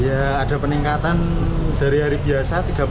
ada peningkatan dari hari biasa tiga puluh sampai lima puluh